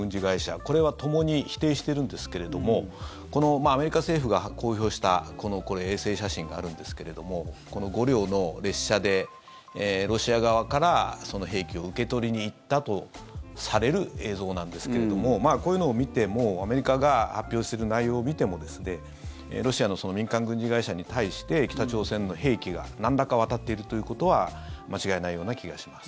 これは、ともに否定してるんですけれどもアメリカ政府が公表したこの衛星写真があるんですけどもこの５両の列車でロシア側から兵器を受け取りに行ったとされる映像なんですけれどもこういうのを見てもアメリカが発表してる内容を見てもロシアの民間軍事会社に対して北朝鮮の兵器がなんらか渡っているということは間違いないような気がします。